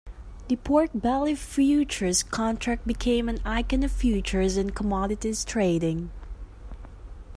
The pork belly futures contract became an icon of futures and commodities trading.